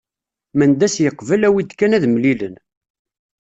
Mendas yeqbel awi-d kan ad mlilen.